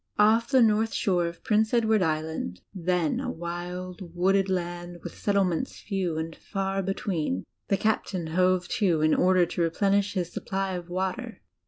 Off the north shore of Prince Edward Island, then a wild, wooded land, with setdements few and far between, the Captain hove to in order to replenish his supply of water.